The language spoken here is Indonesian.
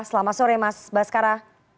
selamat sore mas baskara